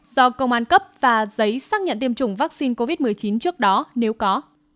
do công an cấp và giấy xác nhận tiêm chủng vaccine covid một mươi chín trước đó nếu có